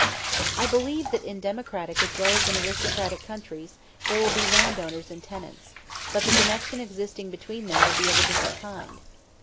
I believe that in democratic as well as in aristocratic countries there will be landowners and tenants, but the connection existing between them will be of a different kind.